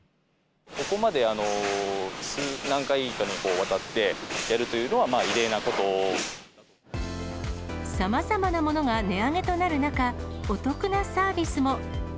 ここまで何回かにわたってやさまざまなものが値上げとなる中、お得なサービスも。